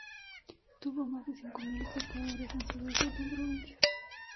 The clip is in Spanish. Tuvo más de cinco mil espectadores en su debut en provincias.